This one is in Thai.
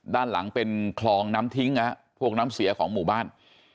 ด้านหลังเป็นคลองน้ำทิ้งพวกน้ำเสียของหมู่บ้าน